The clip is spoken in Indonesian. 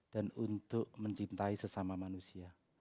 dan untuk mencintai sesama manusia